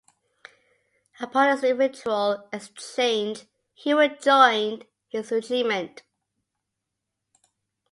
Upon his eventual exchange, he rejoined his regiment.